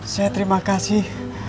saya terima kasih